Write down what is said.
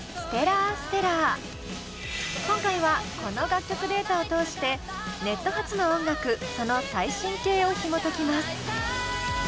今回はこの楽曲データを通してネット発の音楽その最新形をひもときます。